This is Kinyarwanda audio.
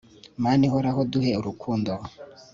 mana ihoraho duhe urukundo